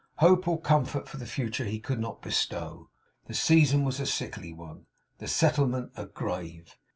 Hope or comfort for the future he could not bestow. The season was a sickly one; the settlement a grave.